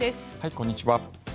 こんにちは。